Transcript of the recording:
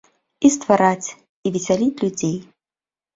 І ствараць, і весяліць людзей.